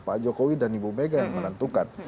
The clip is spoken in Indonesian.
pak jokowi dan ibu mega yang menentukan